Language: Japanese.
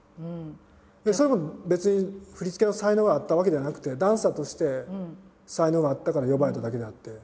それも別に振り付けの才能があったわけではなくてダンサーとして才能があったから呼ばれただけであって。